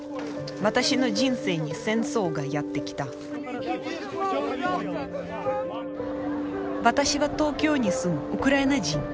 私の人生に戦争がやってきた私は東京に住むウクライナ人。